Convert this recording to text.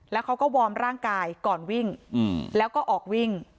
แล้วเขาก็วอร์มร่างกายก่อนวิ่งแล้วก็ออกวิ่ง